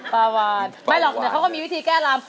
ปลาวานไม่หรอกเดี๋ยวเขาก็มีวิธีแก้รำ